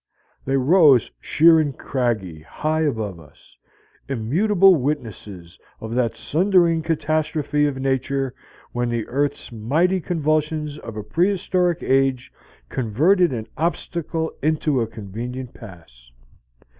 They rose sheer and craggy high above us immutable witnesses of that sundering catastrophe of nature when the earth's mighty convulsions of a prehistoric age converted an obstacle into a convenient pass.